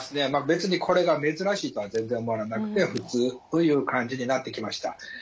別にこれが珍しいとは全然思わなくて普通という感じになってきました。